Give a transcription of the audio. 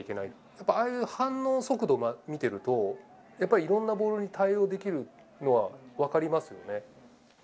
やっぱ、ああいう反応速度を見てると、やっぱりいろんなボールに対応できるのは、分かりますよね。